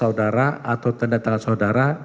saudara atau tanda tangan saudara